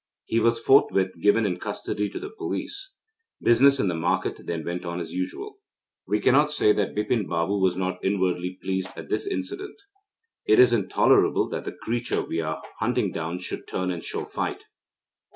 He was forthwith given in custody to the police. Business in the market then went on as usual. Lathis: stick. We cannot say that Bipin Babu was not inwardly pleased at this incident. It is intolerable that the creature we are hunting down should turn and show fight.